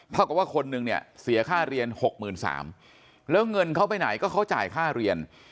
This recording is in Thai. เท่ากับว่าคนนึงเนี่ยเสียค่าเรียน๖๓๐๐แล้วเงินเขาไปไหนก็เขาจ่ายค่าเรียน